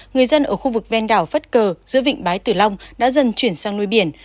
người dân ở khu vực ven đảo phất cờ giữa vịnh bái tử long đã dần chuyển sang nuôi biển